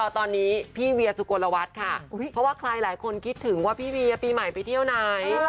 ตอนนี้พี่เวียสุโกลวัฒน์ค่ะเพราะว่าใครหลายคนคิดถึงว่าพี่เวียปีใหม่ไปเที่ยวไหน